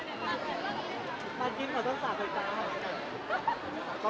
ความสำคัญของเราเลยค่ะ